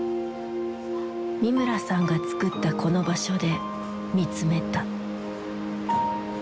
三村さんが作ったこの場所で見つめた。